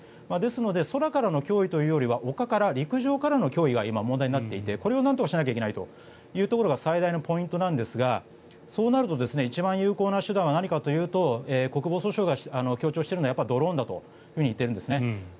ですので空からの脅威というよりは丘から、陸上からの脅威が今、問題になっていてこれをなんとかしなきゃいけないのが最大のポイントですがそうなると一番有効な手段は何かというと国防総省が主張しているのはやっぱりドローンだと言っているんですね。